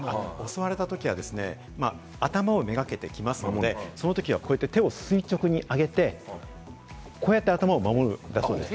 襲われた時は、頭をめがけて来ますので、そういう時は手を垂直に上げて、こうやって頭を守るんだそうです。